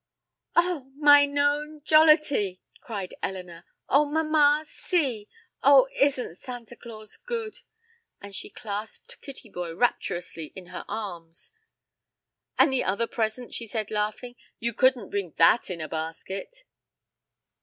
"Oh, mine own Jollity!" cried Elinor. "Oh, mamma, see! Oh, isn't Santa Claus good?" and she clasped Kittyboy rapturously in her arms. "And the other present," she said, laughing, "you couldn't bring that in a basket."